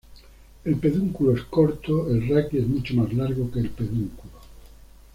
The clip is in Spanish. El pedúnculo es corto, el raquis es mucho más largo que el pedúnculo.